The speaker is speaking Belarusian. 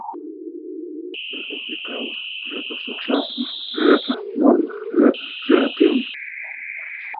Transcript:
Гэта цікава, гэта сучасна, гэта модна, гэта крэатыўна.